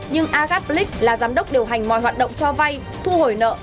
nhưng agat blix là giám đốc điều hành mọi hoạt động cho vay thu hồi nợ